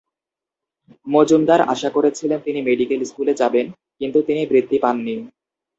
মজুমদার আশা করেছিলেন তিনি মেডিকেল স্কুলে যাবেন, কিন্তু তিনি বৃত্তি পাননি।